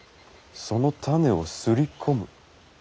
その種をすり込む。